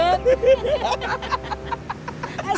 situ kena juga den